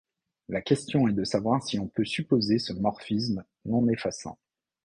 La question est de savoir si on peut supposer ce morphisme non effaçant.